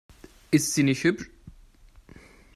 Ist sie nicht hübsch?